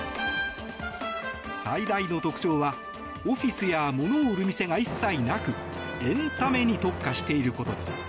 最大の特徴はオフィスや物を売る店が一切なくエンタメに特化していることです。